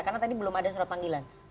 karena tadi belum ada surat panggilan